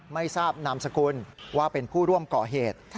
ไม่ทราบนามสคุณที่นะครับว่าเป็นผู้ร่วมก่อเหตุ